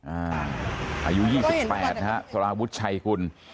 อ่าอายุ๒๘นะฮะสลาวบุตรชัยคุณ